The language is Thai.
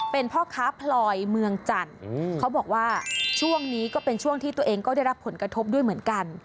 เป็นพ่อค้าพลอยเมืองจันทร์เขาบอกว่าช่วงนี้ก็เป็นช่วงที่ตัวเองก็ได้รับผลกระทบด้วยเหมือนกัน